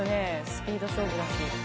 スピード勝負だし。